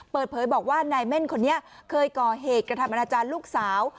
เปิดเผยบอกว่านายเม่นคนนี้เคยก่อเหตุกระทำอนาจารย์ลูกสาว